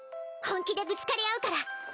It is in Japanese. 本気でぶつかり合うから。